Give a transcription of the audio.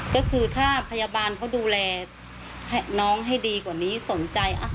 ก็คือถ้าพยาบาลเขาดูแลน้องให้ดีกว่านี้สนใจ